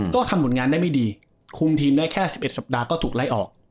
ก็ทำผลงานได้ไม่ดีคุมทีมได้แค่๑๑สัปดาห์ก็ถูกไล่ออก